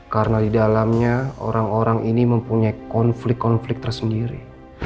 karena di dalamnya orang orang ini mempunyai konflik konflik tersendiri